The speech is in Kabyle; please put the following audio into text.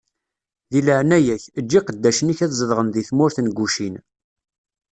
Di leɛnaya-k, eǧǧ iqeddacen-ik ad zedɣen di tmurt n Gucin.